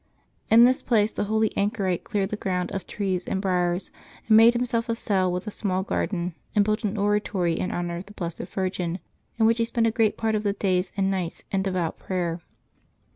In this place the holy anchorite cleared the ground of trees and briers, made himself a cell, with a small garden, and built an oratory in honor of the Blessed Virgin, in which he spent a great part of the days and nights in devout prayer.